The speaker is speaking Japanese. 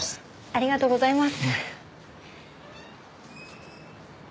ありがとうございます。